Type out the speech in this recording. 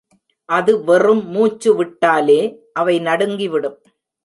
அது வெறும் மூச்சுவிட்டாலே அவை நடுங்கிவிடும்.